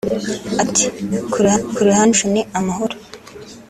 Ati” Ku ruhande rwacu ni amahoro